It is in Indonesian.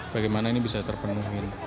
bagaimana ini bisa terpenuhi